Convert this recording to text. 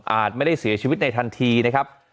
ไม่ได้เสียชีวิตในทันทีนะครับ